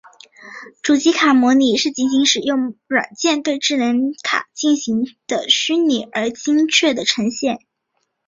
主机卡模拟是仅仅使用软件对智能卡进行的虚拟而精确的呈现。